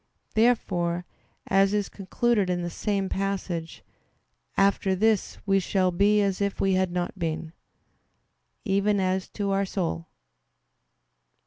Therefore, as is concluded in the same passage, "After this we shall be as if we had not been," even as to our soul.